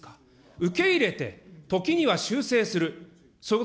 受け入れて、時には修正する。